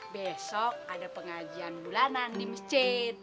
besok ada pengajian bulanan di masjid